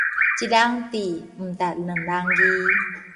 一人智，毋值兩人議